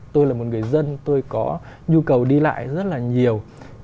tôi là một người dân tôi có nhu cầu đi lại rất là nhiều